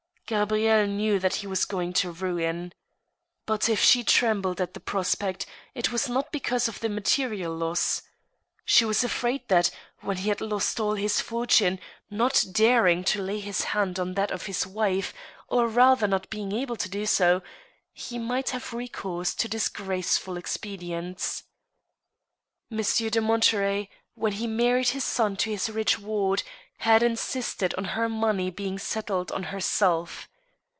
Gabrielle knew that he was going to ruin. But, if she trembled at Ihe prospect, it was not because of the material loss. She was afraid that, when he had lost all his fortune, not daring to lay his hand on that of his wife, or rather not being able to do so, he might have recourse to disgraceful expedients. Monsieur de Monterey, when he married his son to his rich ward, had insisted on her money being settled on herself.